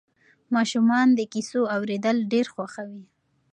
ماشومان د کیسو اورېدل ډېر خوښوي.